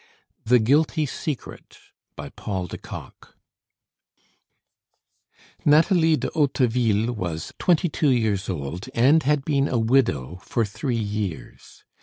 THE GUILTY SECRET BY PAUL DE KOCK Nathalie De Hauteville was twenty two years old, and had been a widow for three years.